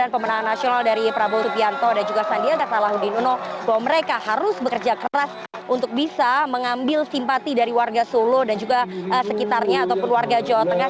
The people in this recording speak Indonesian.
pemenang nasional dari prabowo subianto dan juga sandiaga salahuddin uno bahwa mereka harus bekerja keras untuk bisa mengambil simpati dari warga solo dan juga sekitarnya ataupun warga jawa tengah